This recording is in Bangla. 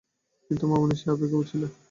কিন্তু, মামুনি, সে আবেগীও ছিল।